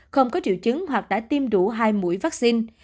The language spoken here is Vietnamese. không có triệu chứng hoặc đã tiêm đủ hai mũi vaccine